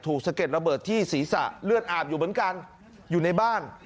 สะเก็ดระเบิดที่ศีรษะเลือดอาบอยู่เหมือนกันอยู่ในบ้าน